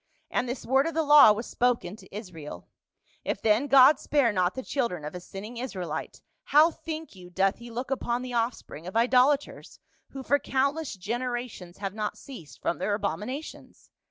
And this word of the law was spoken to Israel ; if then God spare not the children of a sinning Israelite, how think you doth he look upon the offspring of idolaters, who for count less generations have not ceased from their abomina tions.